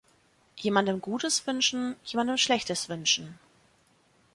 Jemandem Gutes wünschen, jemandem Schlechtes wünschen